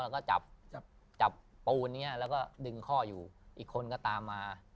ก็จับจับปูนนี้แล้วก็ดึงข้ออยู่อีกคนก็ตามมา